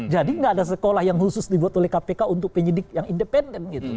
jadi tidak ada sekolah yang khusus dibuat oleh kpk untuk penyidik yang independen